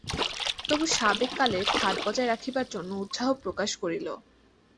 তবু সাবেক কালের ঠাট বজায় রাখিবার জন্য উৎসাহ প্রকাশ করিল।